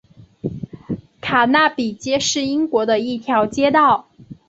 卡纳比街是英国的一条街道。